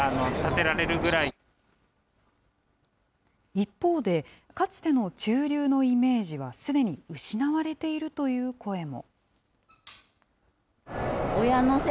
一方で、かつての中流のイメージはすでに失われているという声も。